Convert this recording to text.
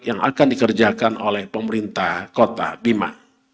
yang akan dikerjakan oleh pemerintah kota bima